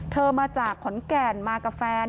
มาจากขอนแก่นมากับแฟน